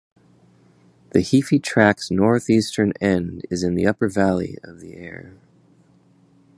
The Heaphy Track's northeastern end is in the upper valley of the Aorere.